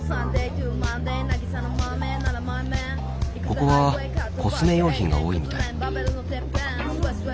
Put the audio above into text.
ここはコスメ用品が多いみたい。